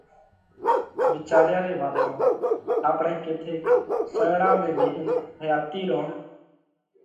وِيچاريا ري واتون آپڻئہ ڪٿيڪ سونئيڙا ۾ ٻيهينَ حياتِي رون